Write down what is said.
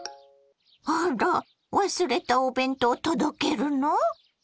あら忘れたお弁当届けるの？